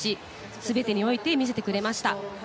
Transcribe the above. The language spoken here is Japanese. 全てにおいて見せてくれました。